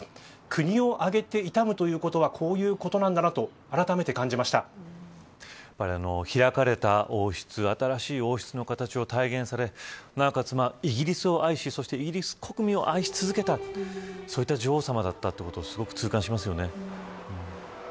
国を挙げて悼むということはこういうことなんだなと開かれた王室新しい王室の形を体現されなおかつ、イギリスを愛しそしてイギリス国民を愛し続けたそういった女王さまだったことをすごく痛感しますよね。